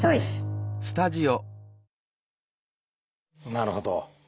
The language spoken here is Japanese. なるほど。